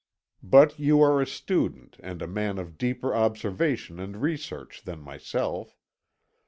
But you are a student and a man of deeper observation and research than myself.